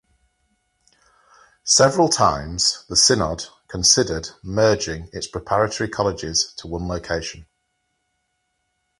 Several times the synod considered merging its preparatory colleges to one location.